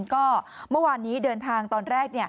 ก็เมื่อวานนี้เดินทางตอนแรก